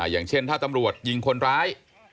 อย่างเช่นถ้าตำรวจยิงคนร้าย